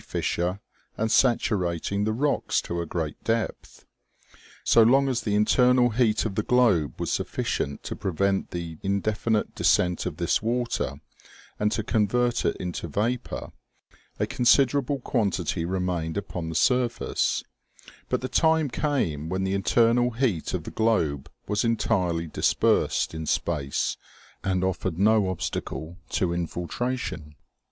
fissure, and saturating the rocks to a great depth. So long as the internal heat of the globe was sufficient to prevent the indefinite descent of this water, and to convert it into vapor, a considerable quantity remained upon the surface ; but the time came when the internal heat of the globe was entirely dispersed in space and offered no ob stacle to infiltration.